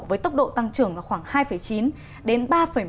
với tốc độ tăng trưởng khoảng hai chín đến ba một